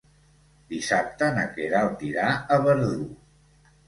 Dissabte na Queralt irà a Verdú.